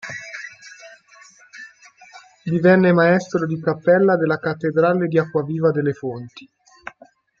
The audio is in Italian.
Divenne maestro di cappella della cattedrale di Acquaviva delle Fonti.